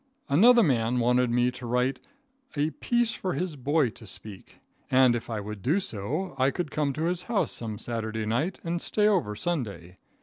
Another man wanted me to write a "piece for his boy to speak," and if I would do so, I could come to his house some Saturday night and stay over Sunday.